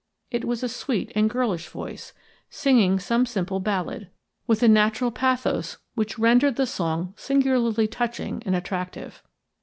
It was a sweet and girlish voice, singing some simple ballad, with a natural pathos which rendered the song singularly touching and attractive.